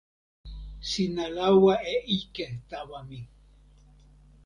sina lawa e ike tawa mi.